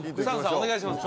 お願いします